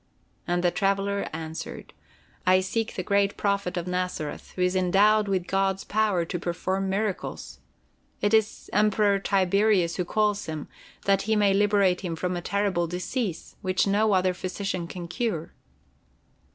And the traveler answered: "I seek the great Prophet of Nazareth, who is endowed with God's power to perform miracles. It is Emperor Tiberius who calls him, that he may liberate him from a terrible disease, which no other physician can cure."